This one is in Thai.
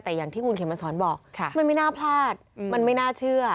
แต่อย่างที่คุณเขมสอนบอกมันไม่น่าพลาดมันไม่น่าเชื่อ